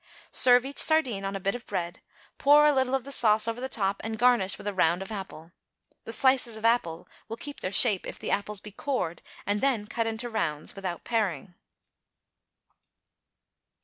Serve each sardine on a bit of bread; pour a little of the sauce over the top and garnish with a round of apple. The slices of apple will keep their shape, if the apples be cored and then cut into rounds without paring.